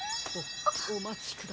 おおまちください。